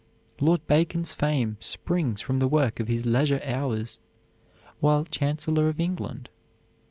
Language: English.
Lord Bacon's fame springs from the work of his leisure hours while Chancellor of England.